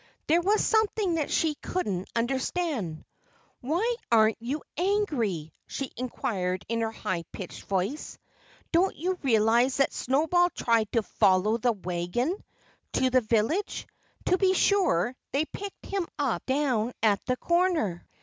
There was something that she couldn't understand. "Why aren't you angry?" she inquired in her high pitched voice. "Don't you realize that Snowball tried to follow the wagon to the village? To be sure, they picked him up down at the corner.